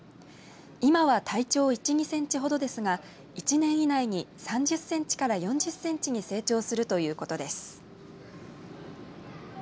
今は体長１、２センチほどですが１年以内に３０センチから４０センチに成長するということです。